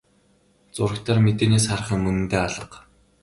Зурагтаар мэдээнээс харах юм үнэндээ алга.